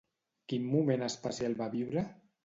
Quin moment especial va viure?